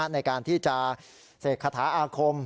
ในการที่จะเสกคาถาอาคม